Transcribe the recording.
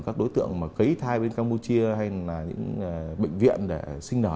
các đối tượng mà cấy thai bên campuchia hay là những bệnh viện để sinh nở